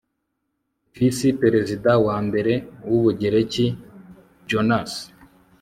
visi perezida wa mbere wubugereki jonasi